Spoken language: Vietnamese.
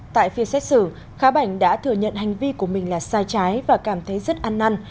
tại phiên xét xử khá bảnh đã thừa nhận hành vi của mình là sai trái và cảm thấy rất ăn năn